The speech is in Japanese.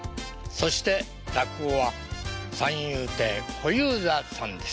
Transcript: そして落語は三遊亭小遊三さんです。